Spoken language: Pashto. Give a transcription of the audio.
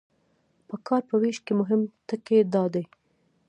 د کار په ویش کې مهم ټکي دا دي.